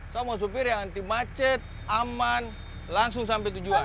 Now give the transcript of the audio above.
saya mau supir yang anti macet aman langsung sampai tujuan